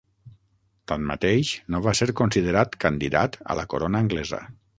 Tanmateix, no va ser considerat candidat a la corona anglesa.